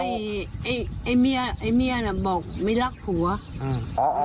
ไอ้เมียน่ะบอกไม่รักผัว